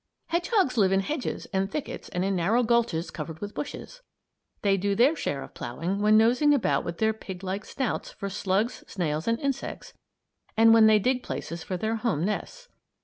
Hedgehogs live in hedges and thickets and in narrow gulches covered with bushes. They do their share of ploughing when nosing about with their pig like snouts for slugs, snails, and insects, and when they dig places for their home nests.